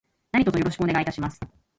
何卒よろしくお願いいたします。